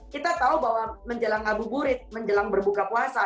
kita tahu bahwa menjelang ngabu gurit menjelang berbuka puasa